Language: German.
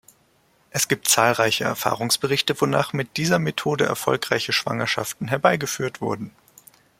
Es gibt zahlreiche Erfahrungsberichte, wonach mit dieser Methode erfolgreich Schwangerschaften herbeigeführt wurden.